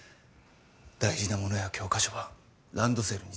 大事なものや教科書はランドセルに詰めなさい。